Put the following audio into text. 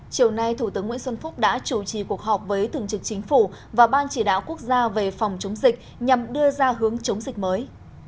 chiều nay thủ tướng nguyễn xuân phúc đã chủ trì cuộc họp với thường trực chính phủ và ban chỉ đạo quốc gia về phòng chống dịch nhằm đưa ra hướng chống dịch mới